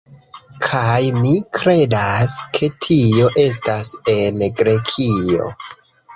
Kaj mi kredas, ke tio estas en Grekio